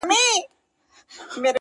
هغه به راسې; جارو کړې ده بیمار کوڅه~